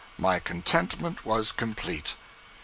My contentment was complete.